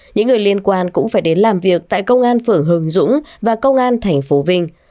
những người liên quan cũng phải đến làm việc tại công an phưởng hường dũng và công an thành phố vinh